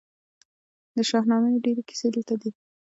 د شاهنامې ډیرې کیسې دلته دي